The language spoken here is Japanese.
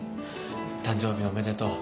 誕生日おめでとう。